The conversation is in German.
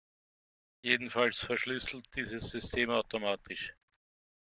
Jedenfalls verschlüsselt dieses System automatisch.